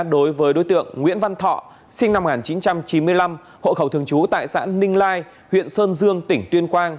đối với đối tượng nguyễn văn thọ sinh năm một nghìn chín trăm chín mươi năm hộ khẩu thường trú tại xã ninh lai huyện sơn dương tỉnh tuyên quang